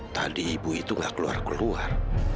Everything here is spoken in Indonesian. tadi ibu itu nggak keluar keluar